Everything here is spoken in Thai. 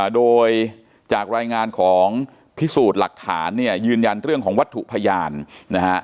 โดยจากรายงานของพิสูจน์หลักฐานเนี่ยยืนยันเรื่องของวัตถุพยานนะฮะ